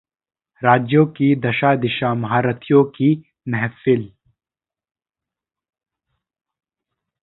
राज्यों की दशा-दिशाः महारथियों की महफिल